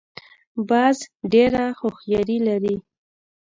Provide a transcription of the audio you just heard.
باز ډېره هوښیاري لري